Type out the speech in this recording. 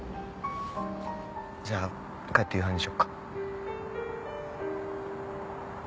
じゃあ帰って夕飯にしよっか。